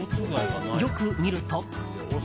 よく見ると。